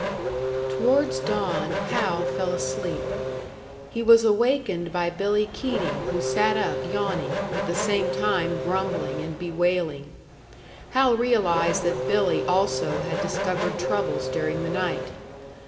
Towards dawn Hal fell asleep; he was awakened by Billy Keating, who sat up yawning, at the same time grumbling and bewailing. Hal realised that Billy also had discovered troubles during the night.